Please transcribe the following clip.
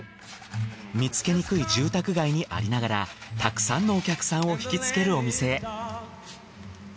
見つけにくい住宅街にありながらたくさんのお客さんを惹きつけるお店へ。